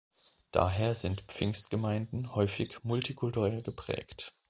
Daher sind Pfingstgemeinden häufig multikulturell geprägt.